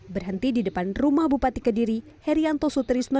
berhenti di depan rumah bupati kediri herianto sutrisno